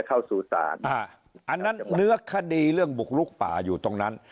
อันนั้นเนื้อคดีเรื่องบุกรุกป่าอยู่ตรงนั้น